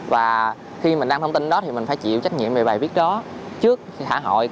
và khi mình đăng thông tin đó thì mình phải chịu trách nhiệm về bài viết đó trước xã hội